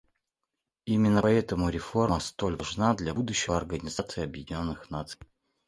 Именно поэтому реформа столь важна для будущего Организации Объединенных Наций.